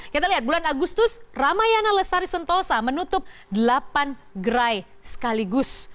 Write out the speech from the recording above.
kita lihat bulan agustus ramayana lestari sentosa menutup delapan gerai sekaligus